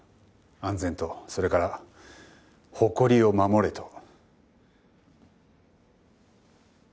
安全とそれから誇りを護れと。